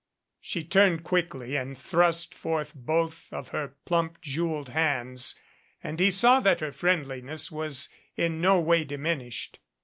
She turned quickly and thrust forth both of her plump jeweled hands, and he saw that her friendliness was in no way diminished.